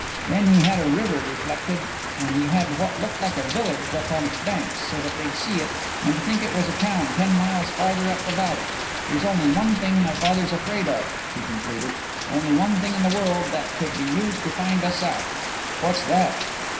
Then he had a river deflected and he had what looked like a village built up on its banks so that they'd see it, and think it was a town ten miles farther up the valley. There's only one thing my father's afraid of," he concluded, "only one thing in the world that could be used to find us out." "What's that?"